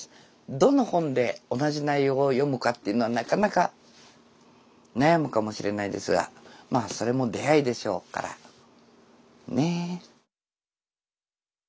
どの本で同じ内容を読むかっていうのはなかなか悩むかもしれないですがまあそれも出会いでしょうからね。